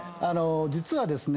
実はですね